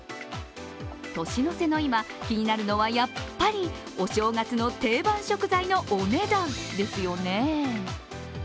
年の瀬の今、気になるのはやっぱりお正月の定番食材のお値段ですよね。